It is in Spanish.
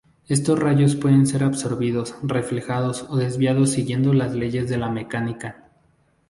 Estos rayos pueden ser absorbidos, reflejados o desviados siguiendo las leyes de la mecánica.